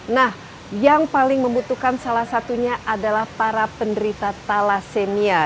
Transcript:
nah yang paling membutuhkan salah satunya adalah para penderita thalassemia